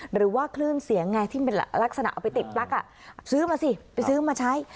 หรือว่าคลื่นเสียงไงที่เป็นลักษณะเอาไปติดปลั๊กซื้อมาสิไปซื้อมาใช้